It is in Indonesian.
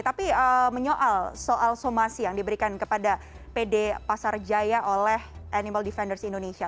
tapi menyoal soal somasi yang diberikan kepada pd pasar jaya oleh animal defenders indonesia